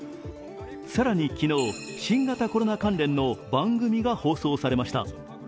更に昨日、新型コロナ関連の番組が放送されました。